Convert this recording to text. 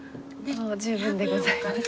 十分でございます。